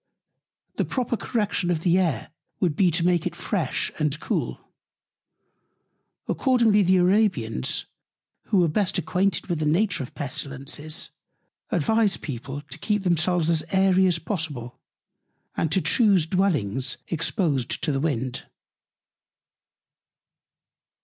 The proper Correction of the Air would be to make it fresh and cool. Accordingly the Arabians, who were best acquainted with the Nature of Pestilences, advise People to keep themselves as airy as possible, and to chuse Dwellings exposed to the Wind.